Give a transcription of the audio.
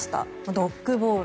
ドッグボウル。